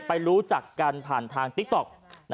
รู้จักกันผ่านทางติ๊กต๊อก